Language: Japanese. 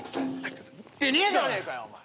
持ってねえじゃねえかよお前。